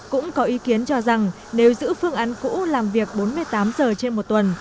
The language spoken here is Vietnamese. cũng có ý kiến cho rằng nếu giữ phương án cũ làm việc bốn mươi tám giờ trên một tuần